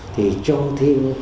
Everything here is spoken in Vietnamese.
thì cho thêm